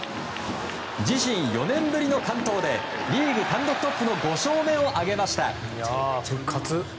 自身４年ぶりの完投でリーグ単独トップの５勝目を挙げました。